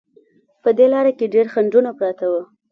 په دې لاره کې ډېر خنډونه پراته وو.